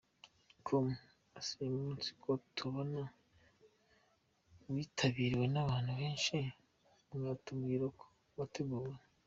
com : Ese uyu munsi ko tubona witabiriwe n’abantu benshi, mwatubwira uko wateguwe ?.